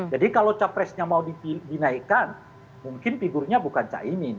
jadi kalau capresnya mau dinaikkan mungkin figurnya bukan caimin